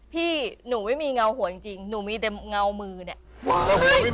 พี่หนูไม่มีเงาหัวจริงหนูมีแต่เงามือเนี่ย